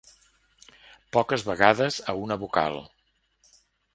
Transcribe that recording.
Poques vegades a una vocal.